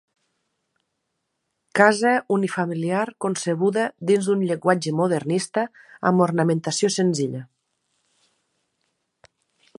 Casa unifamiliar concebuda dins d'un llenguatge modernista amb ornamentació senzilla.